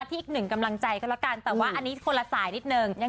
อีกหนึ่งกำลังใจก็แล้วกันแต่ว่าอันนี้คนละสายนิดนึง